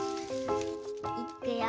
いっくよ。